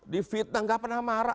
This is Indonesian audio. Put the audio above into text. di fitnah gak pernah marah